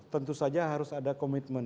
tentu saja harus ada komitmen